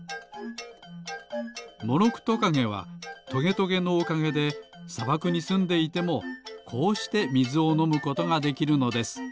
モロクトカゲはトゲトゲのおかげでさばくにすんでいてもこうしてみずをのむことができるのです。